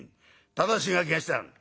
ただし書きがしてあんの？」。